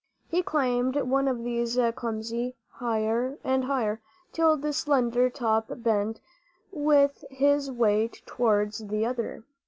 He climbed one of these clumsily, higher and higher, till the slender top bent with his weight towards the other.